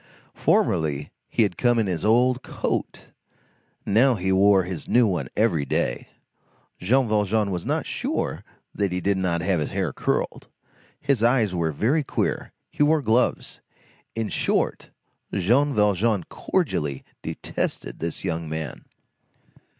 Formerly he had come in his old coat, now he wore his new one every day; Jean Valjean was not sure that he did not have his hair curled, his eyes were very queer, he wore gloves; in short, Jean Valjean cordially detested this young man.